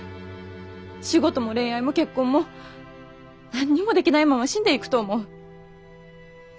仕事も恋愛も結婚も何にもできないまま死んでいくと思う。